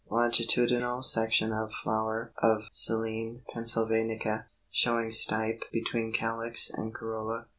Longitudinal section of flower of Silene Pennsylvanica, showing stipe between calyx and corolla.